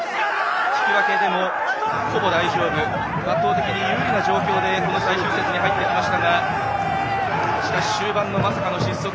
引き分けでも、ほぼ大丈夫と圧倒的に有利な状況でこの最終節に入ってきましたがしかし、終盤のまさかの失速。